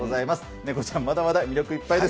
ネコちゃん、まだまだ魅力いっぱいです。